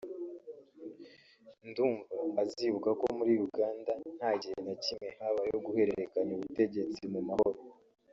ndumva azibuka ko muri Uganda nta gihe na kimwe habayeho guhererekanya ubutegetsi mu mahoro